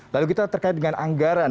lalu kita terkait dengan anggaran